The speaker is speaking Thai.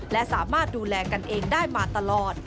และสามารถดูแลกันเองได้มาตลอด